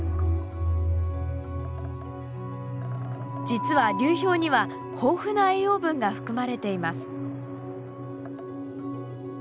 実は流氷には豊富な栄養分が含まれています。